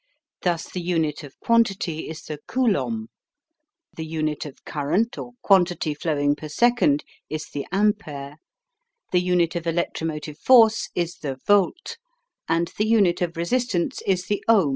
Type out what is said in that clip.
Thus the unit of quantity is the coulomb, the unit of current or quantity flowing per second is the ampere, the unit of electromotive force is the volt, and the unit of resistance is the ohm.